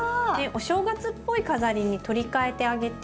お正月っぽい飾りに取り替えてあげて。